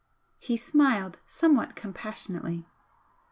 He smiled, somewhat compassionately.